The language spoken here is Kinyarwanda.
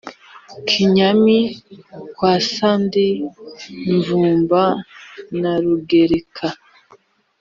Kinyami kwa Sandi mvumba na Rugereka